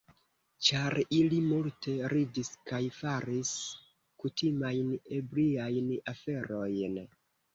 Ĉar ili multe ridis kaj faris kutimajn ebriajn aferojn.